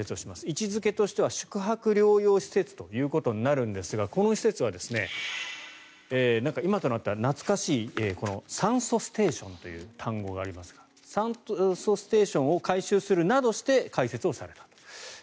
位置付けとしては宿泊療養施設となるんですがこの施設は今となっては懐かしい酸素ステーションという単語がありますが酸素ステーションを改修するなどして開設をする。